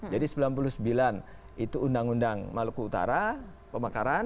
jadi seribu sembilan ratus sembilan puluh sembilan itu undang undang maluku utara pemekaran